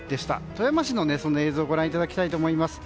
富山市の映像をご覧いただきたいと思います。